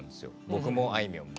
僕もあいみょんも。